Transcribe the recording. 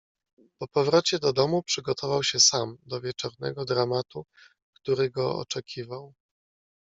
"Po powrocie do domu przygotował się sam do wieczornego dramatu, który go oczekiwał."